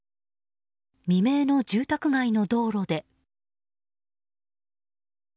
未明の住宅街の道路で。